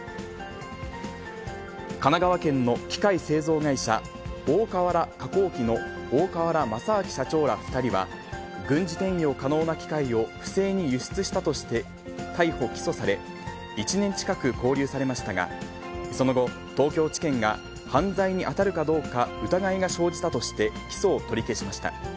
神奈川県の機械製造会社、大川原化工機の大川原正明社長ら２人は、軍事転用可能な機械を不正に輸出したとして逮捕・起訴され、１年近く勾留されましたが、その後、東京地検が犯罪に当たるかどうか疑いが生じたとして、起訴を取り消しました。